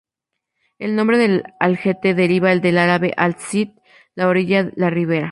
El nombre de Algete deriva del árabe "al-sat" 'la orilla, la ribera'.